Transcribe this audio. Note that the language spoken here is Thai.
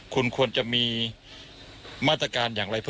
คุณทัศนาควดทองเลยค่ะ